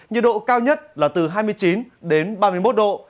nhiệt độ cao nhất là từ hai mươi chín đến ba mươi một độ